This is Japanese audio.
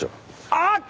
あっ！